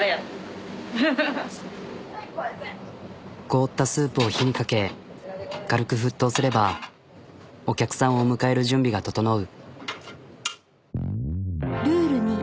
凍ったスープを火にかけ軽く沸騰すればお客さんを迎える準備が整う。